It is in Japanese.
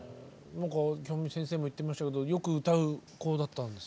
京美先生も言ってましたけどよく歌う子だったんですか？